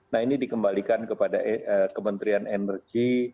nah ini dikembalikan kepada kementerian energi